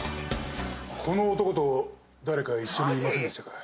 この男と誰か一緒にいませんでしたか？